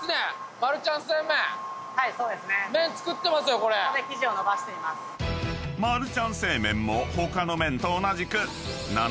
［マルちゃん正麺も他の麺と同じく］